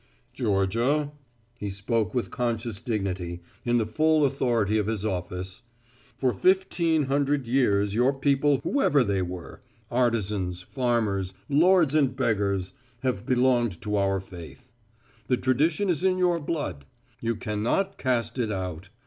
"Georgia," he spoke with conscious dignity, in the full authority of his office, "for fifteen hundred years your people whoever they were, artisans, farmers, lords and beggars, have belonged to our faith. The tradition is in your blood. You cannot cast it out.